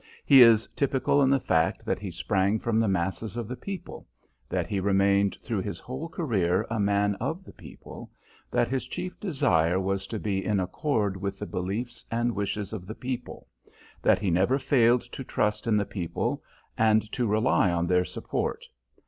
He is typical in the fact that he sprang from the masses of the people, that he remained through his whole career a man of the people, that his chief desire was to be in accord with the beliefs and wishes of the people, that he never failed to trust in the people and to rely on their support.